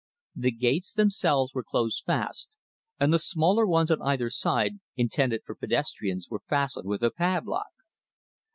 The gates themselves were closed fast, and the smaller ones on either side, intended for pedestrians, were fastened with a padlock.